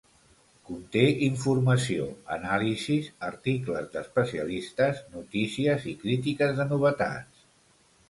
Conté informació, anàlisis, articles d’especialistes, notícies i crítiques de novetats.